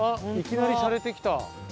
いきなりしゃれてきた。